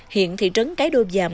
hiện thị trấn cái đô giàm